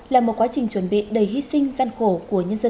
là một quá trình chuẩn bị đầy hy sinh gian khổ của nhân dân